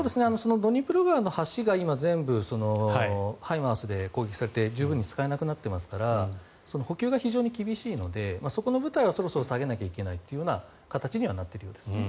ドニプロ川の橋が全部ＨＩＭＡＲＳで攻撃されて十分に使えなくなっていますから補給が非常に厳しいのでそこの部隊はそろそろ下げないといけない形にはなっているようですね。